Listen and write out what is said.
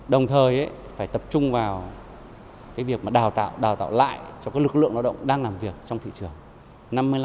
đồng thời phải tập trung vào việc đào tạo lại cho lực lượng đào động đang làm việc trong thị trường